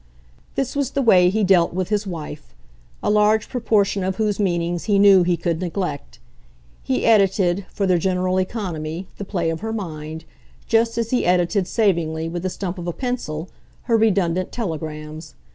This was the way he dealt with his wife, a large proportion of whose meanings he knew he could neglect. He edited, for their general economy, the play of her mind, just as he edited, savingly, with the stump of a pencil, her redundant telegrams.